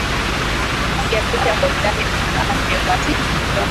Mpiga picha hodari amewasili.